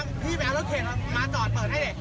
พี่ไปเอารถเข็นมาจอดเปิดให้ดิ